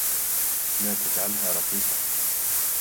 لا تجعلها رخيصة.